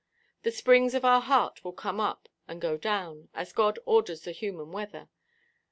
The springs of our heart will come up and go down, as God orders the human weather.